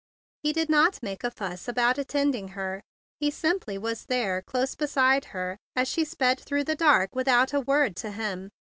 He did not make a fuss about attend¬ ing her. He simply was there close be¬ side her as she sped through the dark without a word to him.